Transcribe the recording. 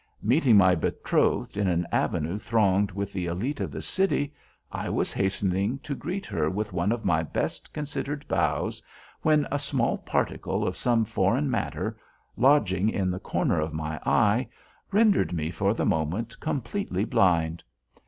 Meeting my betrothed in an avenue thronged with the elite of the city, I was hastening to greet her with one of my best considered bows, when a small particle of some foreign matter lodging in the corner of my eye rendered me for the moment completely blind.